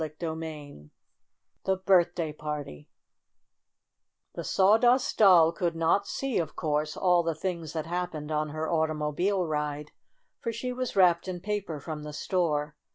CHAPTER V THE BIRTHDAY PARTY The Sawdust Doll could not see, of course, all the things that happened on her automobile ride, for she was wrapped in paper from the store.